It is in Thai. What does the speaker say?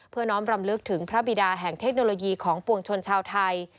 น้อมรำลึกถึงพระบิดาแห่งเทคโนโลยีของปวงชนชาวไทย